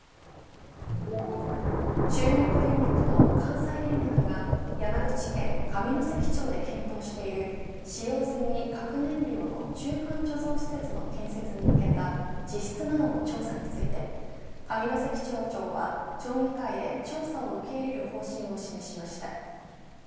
中国電力と関西電力が山口県上関町で検討している使用済み核燃料の中間貯蔵施設の建設に向けた地質などの調査について上関町長は町議会で調査を受け入れる方針を示しました。